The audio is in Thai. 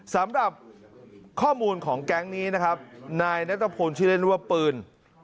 สำหรับข้อมูลของแก๊งนี้นะครับนายนัทพลชื่อเล่นว่าปืน